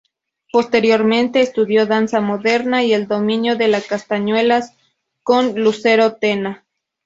Posteriormente estudió Danza Moderna y el dominio de las castañuelas con Lucero Tena.